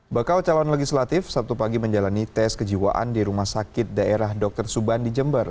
bakal calon legislatif sabtu pagi menjalani tes kejiwaan di rumah sakit daerah dr subandi jember